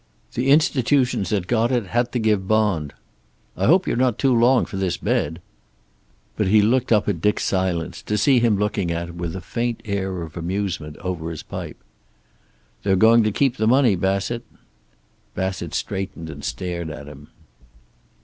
The institutions that got it had to give bond. I hope you're not too long for this bed." But he looked up at Dick's silence, to see him looking at him with a faint air of amusement over his pipe. "They're going to keep the money, Bassett." Bassett straightened and stared at him.